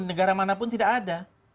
negara manapun tidak ada